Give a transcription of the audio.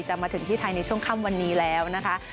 มาถึงที่ไทยในช่วงค่ำวันนี้แล้วนะคะ